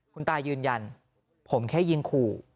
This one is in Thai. คุณตายืนยันผมแค่ยิงขู่